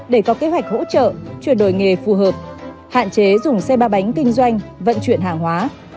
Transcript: để có kế hoạch hỗ trợ chuyển đổi nghề phù hợp hạn chế dùng xe ba bánh kinh doanh vận chuyển hàng hóa